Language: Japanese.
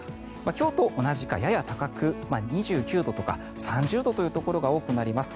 今日と同じか、やや高く２９度とか３０度というところが多くなります。